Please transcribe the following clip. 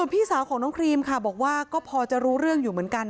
พี่สาวของน้องครีมก็พอเป็นไปรู้เรื่อง